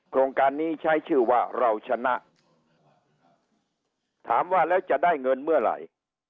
โครงการนี้ใช้ชื่อว่าเราชนะถามว่าแล้วจะได้เงินเมื่อไหร่